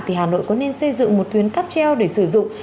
thì hà nội có nên xây dựng một tuyến cắp treo để sử dụng